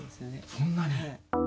そんなに？